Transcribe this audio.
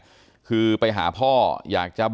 ขอบคุณมากครับขอบคุณมากครับ